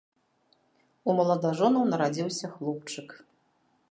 У маладажонаў нарадзіўся хлопчык.